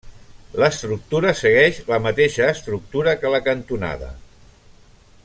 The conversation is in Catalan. L'estructura segueix la mateixa estructura que la cantonada.